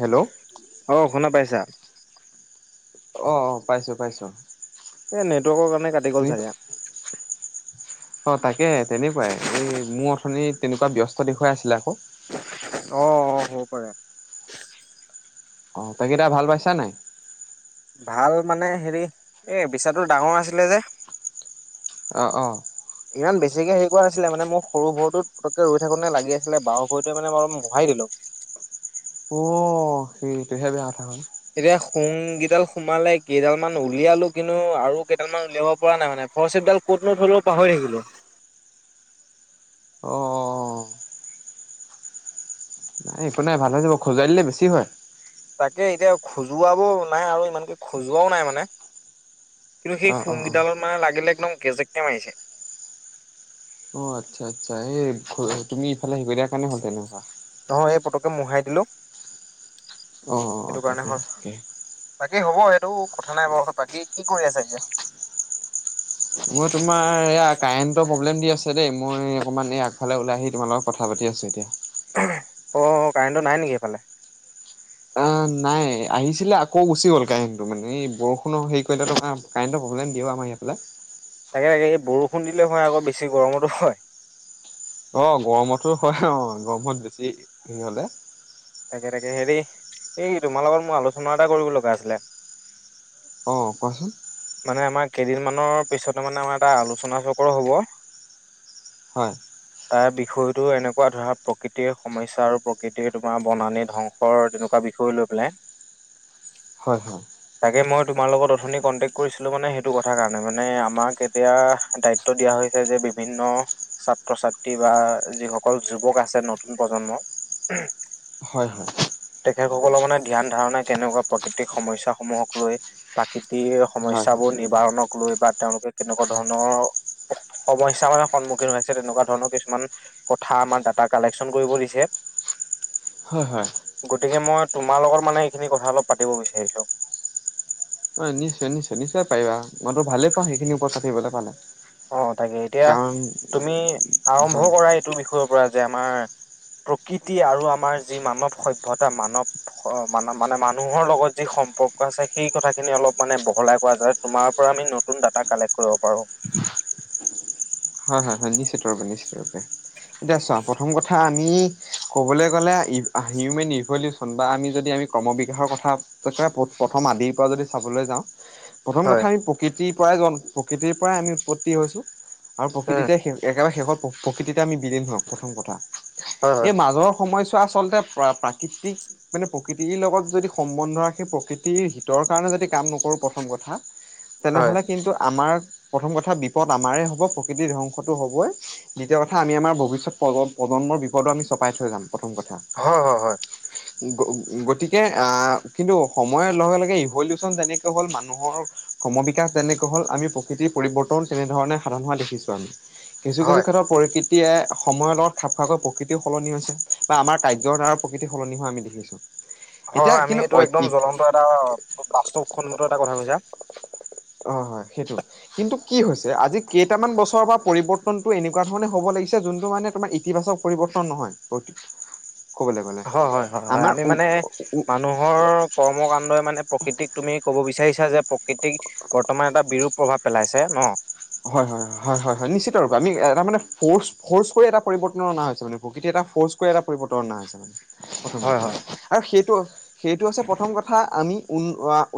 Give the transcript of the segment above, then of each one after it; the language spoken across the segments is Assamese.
হেল্ল'। অহ, শুনা পাইছা? অহ - অহ পাইছোঁ- পাইছোঁ। এ নেটৱৰ্কৰ কাৰণে কাটি গ'ল চাগে। অহ, তাকে তেনেকুৱাই এই মোৰ অথনি তেনেকুৱা ব্যস্ত দেখুৱাই আছিলে আকৌ। অ', -অ', হ'ব পাৰে। অহ, তাকে এতিয়া ভাল পাইছা নাই? ভাল মানে হেৰি এ বিচাটো ডাঙৰ আছিলে যে অ'- অ' ইমান বেছিকে হেৰি কৰা নাছিলে মানে মোৰ সৰু - সৰু টোত পটকে ৰৈ থাকোতে লাগিছিলে বাও ভৰিতু মই মানে মুহাই দিলো অহ, সিইটোহে বেয়া কথা হল। অ'। এতিয়া সুং কেইডাল সোমালে কেইডাল মান উলিয়ালো কিন্তু আৰু কেইডাল মান উলিয়াব পৰা নাই মানে। হৰচিপডাল ক'তনো থলো পাহৰি গলো। [inaudible] অহ - অহ - অ', নাই একো নাই ভাল হৈ যাব খজোৱাই দিলে বেছি হয়। তাকে এতিয়া খজোৱাবও নাই আৰু ইমানকে খজোৱাও নাই মানে। কিন্তু সেই অ', অ', অ'। সুংগগীডালত মানে লাগিলে একদম কেজেককে মাৰিছে। অ', আচ্ছা -আচ্ছা হেই তুমি ইফালে হেই দিয়াৰ কাৰণে হ'ল তেনেকুৱা মোহাই দিলো অ', অ', অ সেইটো কাৰণে তাকে হল তাকে বাকী হ'ব এইটো কথা নাই বৰষত বাকী কি কৰি আছে এতিয়া? মই তোমাৰ ইয়াক কাৰেণ্টৰ প্ৰব্লেম দি আছে দেই মই অকমান এই আগফালে ওলাই আহি তোমাৰ লগত কথা পাতি আছোঁ এতিয়া। অহ, কাৰেণ্টটো নাই নেকি এইফালে? আহ নাই আহিছিলে আকৌ গুচি গ'ল কাৰেণ্টটো মানে এই বৰষুণৰ হেই কৰিলে ত' আমাৰ কাৰেণ্টৰ প্ৰব্লেম দিয়ে [unintelligible] তাকে -তাকে এই বৰষুণ দিলে হয় আকৌ বেছি গৰমতো হয়। অহ, গৰমতো হয় অ'গৰমত বেছি হে হলে তাকে- তাকে হেৰি এই তোমাৰ লগত মোৰ আলোচনা এটা কৰিব লগা আছিলে অহ, কোৱাচোন। মানে আমাৰ কেইদিনমানৰ পিছতে মানে আমাৰ এটা আলোচনা চক্ৰ হ'ব হয়। তাৰ বিষয়টো এনেকুৱা ধৰা প্ৰকৃতিৰ সমস্যা আৰু প্ৰকৃতিৰ তোমাৰ বনানি ধ্বংসৰ তেনেকুৱা বিষয় গৈ লৈ পেলাই। হয়- হয় তাকে মই তোমাৰ লগত অথনি কণ্টেক কৰিছিলো মানে সেইটো কথাৰ কাৰণে মানে আমাক এতিয়া দায়িত্ব দিয়া হৈছে যে বিভিন্ন ছা ছাত্ৰ- ছাত্ৰী বা যিসকল যুৱক আছে নতুন প্ৰজন্মৰ হয়- হয়। লোকসকলৰ মানে ধ্যান, ধাৰণা কেনেকুৱা প্ৰকৃতিক সমস্যা সমূহক লৈ প্ৰাকৃতি হয় হয় সমস্যাবোৰ নিবাৰণক লৈ বা তেওঁলোকে কেনেকুৱা ধৰণৰ সমস্যা মানে সন্মুখীন হৈ আছে তেনেকুৱা ধৰণৰ কিছুমান কথা আমাৰ ডাটা কালেকশচন কৰিব দিছে। হয় হয় গতিকে মই তোমাৰ লগত মানে এইখিনি কথা অলপ পাতিব বিচাৰিছো। হয়, নিশ্চয় -নিশ্চয় -নিশ্চয় পাৰিবা মইতো ভালে পাওঁ সেইখিনি ওপৰত থাকিবলৈ পালে। অহ, তাকে এতিয়া কাৰণ তুমি আৰম্ভ হয় কৰা এইটো বিষয়ৰ পৰা যে আমাৰ প্ৰকৃতি আৰু আমাৰ যি মানৱ- সভ্যতা মানৱ মান মানে মানুহৰ লগত যি সম্পৰ্ক আছে সেই কথাখিনি অলপ মানে বহলাই কোৱা যাতে তোমাৰ পৰা আমি নতুন ডাটা কালেক্ট কৰিব পাৰো। [inaudible] হয় হয় হয় নিশ্চিত ৰূপে নিশ্চিত ৰূপে এতিয়া চোৱা প্ৰথম কথা আমি কবলৈ গ'লে হিউমেন ৰিভলিউচন বা আমি যদি আমি ক্ৰম বিকাশৰ কথা প্ৰথম আদিৰ পৰা যদি চাবলৈ যাওঁ প্ৰথম কথা হয় আমি প্ৰকৃতিৰ পৰাই জন প্ৰকৃতিৰ পৰাই আমি উৎপত্তি হৈছোঁ আৰু উম প্ৰকৃতিতে একেবাৰে শেষত প্ৰকৃতিতে আমি বিলীন হম প্ৰথম কথা হয় হয় এই মাজৰ সময় ছোৱা আচলতে প্ৰাকৃতিক মানে প্ৰকৃতিৰ লগত যদি সম্বন্ধ সেই প্ৰকৃতিৰ হিতৰ কাৰণে যদি কাম নকৰো প্ৰথম কথা হয় তেনেহলে কিন্তু আমাৰ প্ৰথম কথা বিপদ আমাৰে হ'ব প্ৰকৃতিৰ ধ্বংসটো হ'বই দ্বিতীয় কথা আমি আমাৰ ভৱিষ্যত প্ৰ প্ৰজন্মৰ বিপদো আমি চপাই থৈ যাম প্ৰথম কথা হয় হয় হয় গতিকে আহ কিন্তু সময়ৰ লগে লগে ইভলিউচন যেনেকে হ'ল মানুহৰ ক্ৰম বিকাশ যেনেকৈ হ'ল আমি প্ৰকৃতি পৰিৰ্তন তেনেধৰণে সাধন হোৱা দেখি ছো আমি কিছু কিছু হয় হয় ক্ষেত্ৰৰ পৰিকৃত প্ৰায়ে সময়ৰ লগত খাপ খোৱাকৈ প্ৰকৃতিও সলনি হৈছে বা আমাৰ কাৰ্যৰ দ্বাৰ প্ৰকৃতি সলনি হোৱা আমি দেখিছো। হয় এতিয়া হয় আমি কিন্তু এইটো একদম জ্বলন্ত এটা বাস্তৱসন্মত এটা কথা কৈছা অ হয় সেইটো কিন্তু কি হৈছে আজি কে ইটামান বছৰৰ পৰা পৰিৱৰ্তনটো এনেকোৱা ধৰণে হ'ব লাগিছে যোনটো মানে তোমাৰ ইতিবাচক পৰিৱৰ্তন নহয় [unintelligible] গ'লে। হয় হয় হয় হয় আমাৰ আমি মানে মানুহৰ কৰ্ম কাণ্ডই মানে প্ৰকৃতিক তুমি ক'ব বি চাৰিছা যে প্ৰকৃতিক বৰ্তমান এটা বিৰূপ প্ৰভাৱ পেলাইছে ন হয় হয় হয় হয় হয় হয় নিশ্চিত ৰূপে আমি এটা মানে ফ ফৰ্চ কৰি এটা পৰিৱৰ্তন অনা হৈছে মানে প্ৰকৃতিৰ এটা ফৰ্চ কৰি এটা পৰিৰ্তন অনা হৈছে মানে প্ৰথমে হয় হয় আৰু সেইটো সেইটো হৈছে প্ৰথম কথা আমি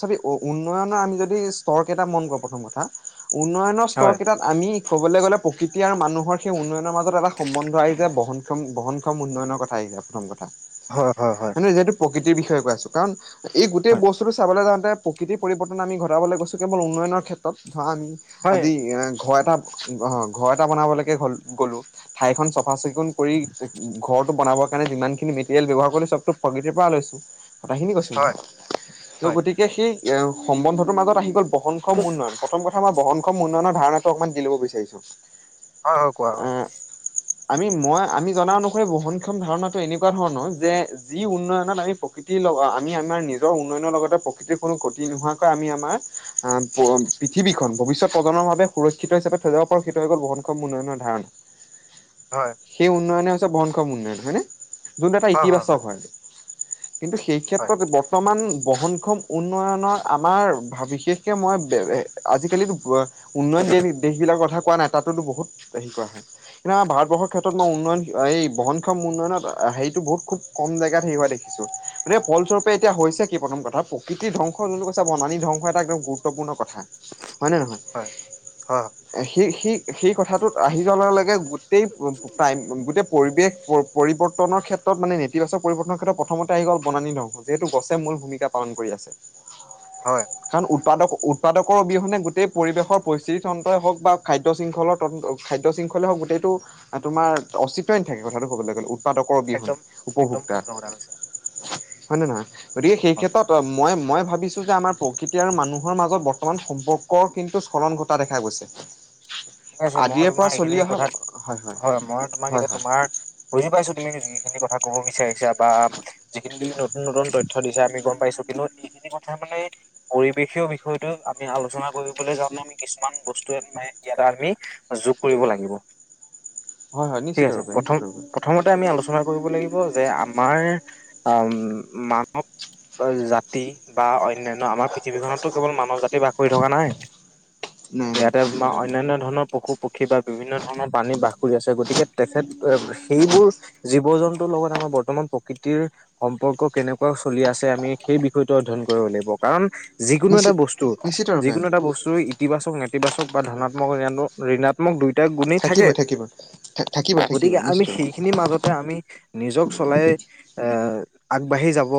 চাবি উন্নয়নৰ আমি যদি স্তৰকেইটা মন কৰো প্ৰথম কথা উন্নয়ন স্তৰ হয় কেইটাত আমি ক'বলৈ গ'লে প্ৰকৃতি আৰু মানুহৰ সেই উন্নয়নৰ মাজত এটা সম্বন্ধ আহিছে বহনক্ষম বহনক্ষম উন্নয়নৰ কথাই প্ৰথম কথা হয় নহয় যিহেতু প্ৰকৃতিৰ বিষয়ে কৈ আছো কাৰণ এই গোটেই বস্তুটো চাবলৈ যাও তে প্ৰকৃতিৰ পৰিৱৰ্তন আমি ঘটাবলৈ গৈছো কেৱল উন্নয়নৰ ক্ষেত্ৰত ধৰা আমি হয় হয় আজি ঘৰ এটা অ ঘৰ এটা বনাবলৈকে হল গলো ঠাইখন চফা চিকুণ কৰি ঘৰটো বনাবৰ কাৰণে যিমান খিনি মেটেৰিয়েল ব্যৱহাৰ কৰিলো চবতো প্ৰকৃতিৰ পৰা লৈ ছো কথাখিনি কৈছো হয় মই' হয় গতিকে সেই সম্বন্ধটোৰ মাজত আহি গ'ল বহনক্ষম উন্নয়ন প্ৰথম কথা মই বহনক্ষম উন্নয়নৰ ধাৰণাটো অকমান দি লব বিচাৰিছো হয় হয় কোৱা হয় আহ আমি মই আমি জনা অনুসৰি বহুনক্ষম ধাৰণাটো এনেকোৱা ধৰণৰ যে যি উন্নয়নত আমি প্ৰকৃতিৰ লগত আমি আমাৰ নিজৰ উন্নয়নৰ লগতে প্ৰকৃতিৰ কোনো গতি নোহোৱাকৈ আমি আমাৰ এ অ পৃথিৱী খন ভৱিষ্যত প্ৰজন্মৰ বাবে সুৰক্ষিত হিচাপে থৈ যাব পাৰো সেইটো হৈ গল বহনক্ষম উন্নয়নৰ ধাৰণা হয়, সেই উন্নয়নে হৈছে বনক্ষম উন্নয়ন হয়নে যোনটো এটা ইতিবাচক হয় কিন্তু সেই হয়, ক্ষেত্ৰত বৰ্তমান বহনক্ষম উন্নয়নৰ আমাৰ বিশেষকৈ মই আজিকালিতো উন্নয়ন দ দেশ বিলাকৰ কথা কোৱা নাই তাতোতো বহুত হেৰি কৰা হয় কিন্তু আমাৰ ভাৰতবৰ্ষৰ ক্ষেত্ৰত মই উন্নয়ন এই বহনক্ষম উন্নয়নত সেইটো বহুত খুব কম জেগাত হেৰি হোৱা দেখিছো গতিক ফলস্বৰূপে এতিয়া হৈছে কি প্ৰথম কথা প্ৰকৃতিৰ ধ্বংস ত কৈছে বনানী ধ্বংস এটা একদম গুৰুত্বপূৰ্ণ কথা হয়নে নহয় হয়, হয়, সেই সি সেই কথাটোত আহি যোৱাৰ লগে লগে গোটেই টাইম গোটেই পৰিৱেশ পৰিৱৰ্তনৰ ক্ষেত্ৰ ত মানে নেতিবাচক পৰিৱৰ্তনৰ ক্ষেত্ৰত প্ৰথমতে আহি গ'ল বনানী ধংস যিহেতু গছে মূল ভূমিকা পাল কৰি আছে হয় কাৰণ উৎপাদক উৎপাদকৰ অবিহনে গো টেই পৰিৱেশৰ পৰিস্থিতি তন্ত্ৰই হওক বা খাদ্য শৃংখলৰ তন্ত্ৰ খাদ্য শৃংখলেই হওক গোটেইটো তোমাৰ অস্তিত্বই নেথাকে কথাটো ক'বলৈ গ'ল উৎপাদকৰ অবিহনে একদম একদম উপভোক্তাৰ শুদ্ধ কথা কৈছা। হয় নে নহয় গতিকে সেই হয়, হয়। ক্ষেত্ৰত মই মই ভাবিছোঁ যে আমাৰ প্ৰকৃতি আৰু মানুহৰ মাজত বৰ্তমান সম্পৰ্ক কৰ কিন্তু স্থলন ঘটা দেখা গৈছে। ঠিক আছে মই আদিৰে পৰা তোমাৰ চলি এইখিনি অহা কথাত হয় মই তোমাক হয় এতিয়া হয় তোমাৰ বুজি পাইছো তুমি যিখিনি কথা ক'ব বি চাৰিছা বা যিখিনি তুমি নতুন নতুন তথ্য দিছা আমি গম পাইছো কিন্তু এইখিনি কথা মানে পৰিৱেশীয় বিষয়টো আমি আলোচনা কৰিবলৈ যাওঁতে আমি কিছুমান বস্তু মানে ইয়াত ত আমি যোগ কৰিব লাগিব। হয় হয় ঠিক নিশ্চিত আছে ৰূপে প্ৰথম নিশ্চিত ৰূপে প্ৰথমতে আমি আলোচনা কৰিব লাগিব যে আ মাৰ মানৱ জাতি বা অ অনান্য আমাৰ পৃথিৱীখনততো কেৱল মানৱ জাতি বাস কৰি থকা নাই নাই নাই ইয়াতে নিশ্চিত তোমাৰ ৰূপে বিভিন্ন ধৰণৰ পশু পক্ষী বা বিভিন্ন ধৰণৰ পানী বাস কৰি আছে গতিকে তেখেত সেইবোৰ জীৱ জন্তুৰ লগত আমাৰ বৰ্তমান প্ৰকৃতিৰ সম্পৰ্ক কেনেকোৱা চলি আছে আমি সেই বিষয়টো অধ্যয়ন কৰিম কাৰণ যিকোনো এটা নিশ্চিত বস্তু নিশ্চিত ৰূপে যিকোনো এটা বস্তু ইতিবাচক নেতিবাচক বা ধনা ত্মক ঋণাত্মক দুই থাকিবই থাকিবই। থাকিবই গতিকে থাকিবই আমি নিশ্চিত ৰূপে সেইখিনিৰ মাজতে আমি নিজক চলাই এ আগবাঢ়ি যাব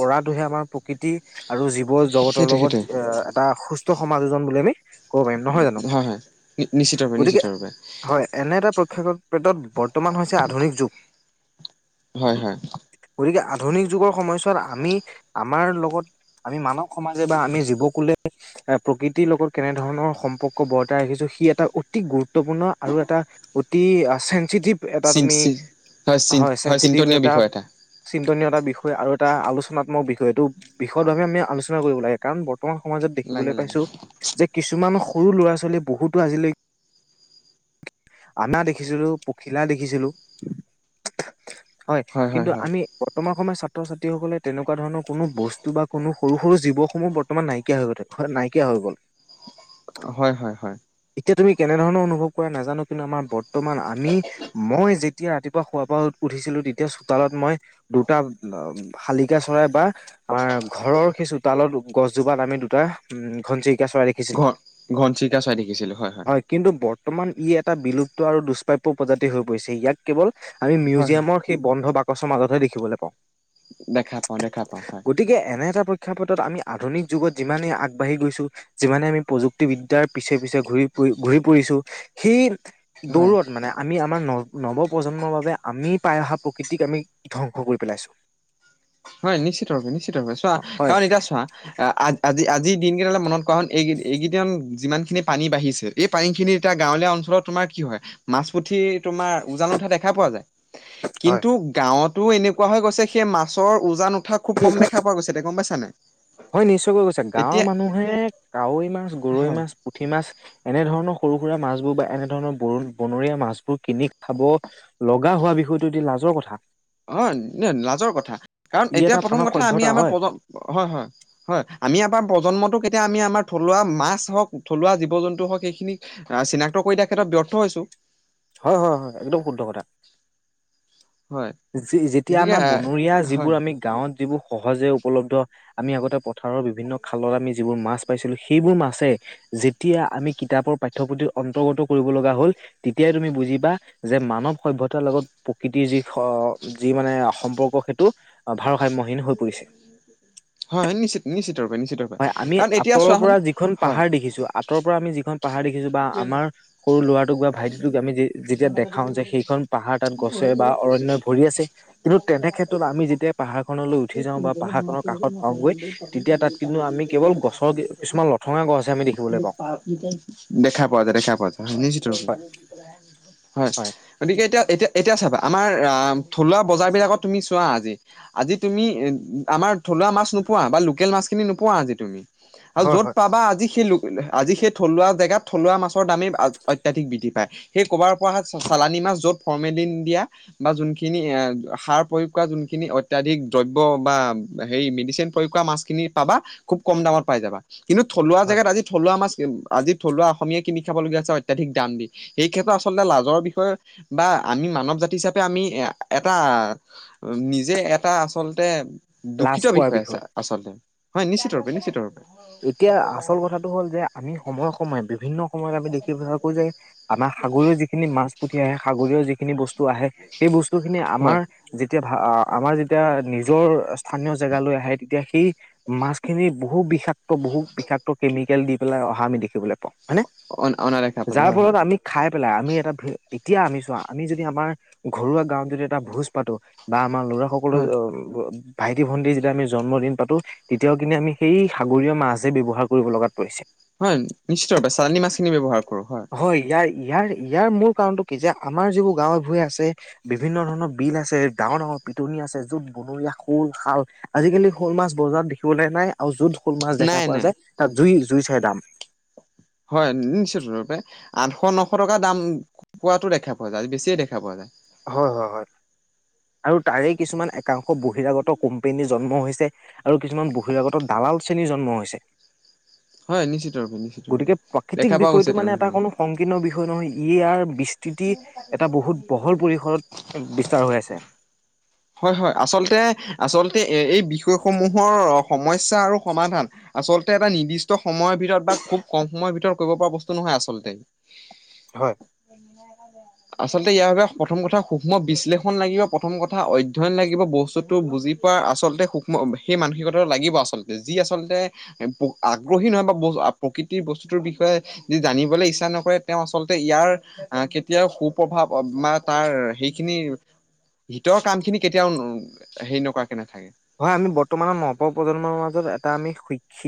পৰাটোহে আমাৰ প্ৰকৃতি আৰু জীৱ জগতৰ সেইটোৱে সেইটোৱে লগত এটা সুস্থ সমাযোজন বুলি আমি কব পাৰিম নহয় জানো। নি নিশ্চয় গতিকে হয় এনে এটা প্ৰক্ষ পেটত বৰ্তমান হৈছে আধুনিক যুগ। হয় হয় গতিকে আধুনিক যুগৰ সময়ছোৱাত আমি আমাৰ লগত আমি মানৱ সমাজে বা আমি জীৱকুল প্ৰকৃতিৰ লগত কেনেধৰণৰ সম্পৰ্ক বৰ্তা টাই ৰাখিছো সি এটা অতি গুৰুত্বপূৰ্ণ আৰু এটা অতি চি টিপ এটা চিন তুমি চিন চিন হয় চেনচিটিভ চিন্তনীয় এটা বিষয় চিন্তনীয় এটা বিষ বিষয় আৰু এটা আলোচনাত্মক বিষয় এইটো বিষদভাৱে আমি আলোচনা কৰিব লাগে কাৰণ আ সমাজত দেখিবলৈ লাগে লাগে পাইছো যে কিছুমান সৰু ল'ৰা ছোৱালীয়ে বহুতো আজিলৈকে আমাৰ দেখিছিলো পখিলা দেখিছিলো হয় কিন্তু আমি বৰ্তমান সময় ছাত্ৰ ছাত্ৰীসকলে তেনেকুৱা ধৰণৰ কোনো বস্তু বা কোনো সৰু সৰু জীৱসমূহ বৰ্তমান নাইকিয়া হৈ গৈঠে নাইকিয়া হৈ গ'ল। হয় হয় হয় এতিয়া তুমি কেনেধৰণৰ অনুভৱ কৰা নাজানো কিন্তু আমাৰ বৰ্তমান আমি মই যে- যেতিয়া ৰাতিপুৱা শোৱাৰ পৰা উঠিছিলো তেতিয়া চোতালত মই দুটা শালিকা চৰাই বা আমাৰ ঘৰৰ সেই চোতালত হেই গছজোপাত আমি দুটা উম ঘনচি ঘন ঘনচিকা চাৰাই দেখিছিলোঁ হয় হয়। বৰ্তমান ই এটা বিলুপ্ত আৰু দুষ্প্ৰাপ্য প্ৰজাতি হৈ পৰিছে ইয়াক কেৱল আমি হয় হয় মিউজিয়ামৰ সেই বন্ধ বাকচৰ মাজতহে দেখিবলৈ পাওঁ। দেখা পাওঁ দেখা পাওঁ হয় গতিকে এনে এটা প্ৰেক্ষাপটত আমি আধুনিক যুগত যিমানেই আগ আগবাঢ়ি গৈছো যিমানে আমি প্ৰযুক্তিবিদ্যাৰ পিছে পিছে ঘূৰি ফুৰি ঘূৰি ফুৰিছো সেই হয় দৌৰত মানে আমি আমাৰ ন নৱ প্ৰজন্মৰ বাবে আমি পাই অহা প্ৰকৃতিক আমি ধ্বংস কৰি পেলাইছো। হয় নিশ্চিতভাৱে নিশ্চিতভাৱে চোৱা হয় কাৰণ এতিয়া চোৱা আজি আজি দিনকেইটালে মনত কাৰণ এইকেই এইকেইদান যিমান খিনি পানী বাঢ়িছে এই পানীখিনি এতিয়া গাঁৱলীয়া অঞ্চলত তোমাৰ কি হয় মাছ পুঠি তোমাৰ উজানত দেখা পোৱা যায় কিন্তু গাওটো এনেকুৱা হৈ গৈছে সেই মাছৰ উজান উঠা খুব কম দেখা পোৱা গৈছে তে গম পাইছা নাই হয় নিশ্চয়কৈ কৈছে গাঁৱৰ এতিয়া মানুহে কাৱৈ মাছ, গৰৈ হয় মাছ, পুঠি মাছ এনেধৰণৰ সৰু সুৰা মাছবোৰ বা এনেধৰণৰ ব বনৰীয়া মাছবোৰ কিনি খাব লগা হোৱা বিষয়টো এতিয়া লাজ ৰকথা। হয় ন লাজৰ কথা কাৰণ ই এতিয়া এটা প্ৰথম মানৱ কথা আমি সভ্যতা আমাৰ হয় প্ৰজ হয় হয় হয় আমি আমাৰ প্ৰজন্মটো কেতিয়া আমি আমাৰ থলুৱা মাছ হওক থলুৱা জীৱ জন্তু হওক সেইখিনিক চিনাক্ত কৰি দিয়াৰ ক্ষেত্ৰত ব্যৰ্থ হৈছো। হয়-হয়-হয় একদম শুদ্ধ কথা। হয় যেতিয়া গতিকে আমাৰ আহ বনৰীয়া যিবোৰ হয় আমি গাঁৱত যিবোৰ সহজে উপলব্ধ আমি আগতে পথাৰৰ বিভিন্ন খালত আমি যিবোৰ মাছ পাইছিলো সেইবোৰ মাছে যেতিয়া আমি কিতাপৰ পাঠ্য়পুথিৰ অন্তৰ্গত কৰিব লগা হ'ল তেতিয়াই তুমি বুজিবা যে মান সভ্যতাৰ লগত প্ৰকৃতিৰ যি যি মানে সম্পৰ্ক সেইটো ভাৰসাম্য হীন হৈ পৰিছে। হয় নিশ্চিত-নিশ্চিত। হয় আমি আঁতৰৰ পৰা যিখন হয় পাহাৰ দেখিছো আঁতৰ পৰা আমি যিখন পাহাৰ দেখিছো বা আমাৰ সৰু ল'ৰাটোক বা ভাইটিটোক আমি যেতিয়া দেখাও যে সেইখন পাহাৰ তাত গছে বা অৰণয় ভৰি আছে কিন্তু তেনে ক্ষেত্ৰত আমি যেতিয়া পাহাৰখননলৈ উঠি যাওঁ বা পাহাৰ খনৰ কাষত অওঁগৈ তেতিয়া তাত কিন্তু আমি কেৱল গছৰ কিছুমান লঠঙা গছ হে আমি দেখিবলৈ পাওঁ। দেখা পোৱা যায়-দেখা পোৱা যায় হয় নিশ্চিত হয়', গতিকে এতিয়া-এতিয়া এতিয়া চাবা আমাৰ থলুৱা বজাৰবিলাকত তুমি চোৱা আজি, আজি তুমি আমাৰ থলুৱা মাছ নোপোৱা বা লোকেল মাছখিনি নোপোৱা আজি তুমি। আৰু য'ত পাবা আজি সেই ল আজি সেই থলুৱা জেগাত থলুৱা মাছৰ দামেই অত্যাধিক বৃদ্ধি পায় সেই ক'ৰবাৰ পৰা চালানী মাছ য'ত ফৰ্মেলিন দিয়া বা যোনখিনি এ সাৰ প্ৰয়োগ কৰা যোনখিনি অত্যাধিক দ্ৰব্য বা হেৰি মেডিচিন মাছখিনি পাবা, খুব কম দামত পাই যাবা কিন্তু থলুৱা হয় জেগাত আজি থলুৱা মাছ আজি থলুৱা অসমীয়া কিনি খাবলগীয়া অত্যাধিক দাম দি সেই ক্ষেত্ৰত আচলতে লাজৰ বিষয়ে বা আমি মানৱ জাতি হিচাপে আমি আমি এটা নিজে এটা আচলতে লাজ দুখিত পোৱাৰ বিষয় আছে আচলতে হয় নিশ্চিতৰূপে-নিশ্চিতৰূপে। এতিয়া আচল কথাটো হ'ল যে আমি সময়ে-সময়ে বিভিন্ন সময়ত আমি দেখিবাকো যে আমাৰ সাগৰীয় যিখিনি মাছ পুঠি আহে সাগৰীয় যিখিনি বস্তু আহে সেই বস্তু খিনি হয় আমাৰ যেতিয়া ভ আমাৰ যেতিয়া নি যৰ স্থানীয় জেগালৈ আহে তেতিয়া সেই মাছখিনি বহু বিষাক বহুত বিষাক্ত কেমিকেল দি পেলাই অহা আমি দেখিবলৈ পাওঁ। হয়নে? অ অনাদেখা পাইছে যাৰ হয় ফলত হয় আমি খাই পেলাই আমি এটা এতিয়া আমি চোৱা আমি যদি আমাৰ ঘৰুৱা গাঁৱত যদি এটা ভোজ পাতো বা আমাৰ ল'ৰা সকলৰ হয় ভাইটি-ভন্টি যেতিয়া আমি জন্মদিন পাতো তেতিয়াও কিনে আমি সেই সাগৰীয় মাছ যেই ব্যৱহাৰ কৰিব লগাত পৰিছে। হয় নিশ্চিতৰপে চালানী মাছ খিনি ব্যৱহাৰ হয় ইয়াৰ ইয়াৰ-ইয়াৰ মূল কাৰণতটো কি? যে আমাৰ যিবোৰ গাঁৱৰ ভূঞে আছে, বিভিন্ন ধৰণৰ বিল আছে, ডাঙৰ-ডাঙৰ পিটনি আছে য'ত বনৰীয়া শ'ল শাল আজিকালি শ'ল মাছ বজাৰত দেখিবলৈ নাই আৰু য'ত হ'ল মাছ দেখা নাই পোৱা নাই যায় তাত জুই-জুই চাই দাম। হয় নিশ্চয়তৰূপে। আঠশ নশ টকা দাম পোৱাটো দেখা পোৱা যায় আজি বেছিয়ে দেখা পোৱা যায়। হয়-হয়-হয়। আৰু তাৰে কিছুমান একাংশ বহিৰাগত কোম্পেনী জন্ম হৈছে আৰু কিছুমান বহিৰাগত দাম লালচ্ৰেনীৰ জন্ম হৈছে। হয় নিশ্চিতৰপে-নিশ্চিতৰপে গতিকে প্ৰাকৃতিক দেখা পোৱা বিষয়টো গৈছে তেনে মানে এটা ধৰণৰ। স্থিতি এটা বহুত বহল পৰিসৰত বিস্তাৰ হৈ আছে। হয়-হয়, আচলতে-আচলতে। এ এই বিষয়সমূহৰ সমস্যা আৰু সমাধান আচলতে এটা নিৰ্দিষ্ট সময়ৰ ভিতৰত বা খুব কম সময়ৰ ভিতৰত কৰিব পৰা বস্তু নহয় আচলতে। হয় [inaudible] আচলতে ইয়াৰ বাবে প্ৰথম কথা সূক্ষ্ম বিশ্লেষণ লাগিব প্ৰথম কথা অধ্যয়ন লাগিব বস্তুতটো বুজি পোৱা আচলতে সু্ম সেই মানসিকতাটো লাগিব আচলতে যি আচলতে আগ্ৰহী নহয় বা ব প্ৰকৃতিৰ বস্তুটোৰ বিষয়ে য জানিবলৈ ইচ্ছা নকৰে তেওঁ আচলতে ইয়াৰ। আহ কেতিয়াও সু প্ৰভাৱ বা তাৰ সেইখিনি। হতৰ কামখিনি কেতিয়াও হেৰি নকৰা। হয় আমি বৰ্তমানৰ নৱ প্ৰজন্মৰ মাজত এটা আমি শৈক্ষিক।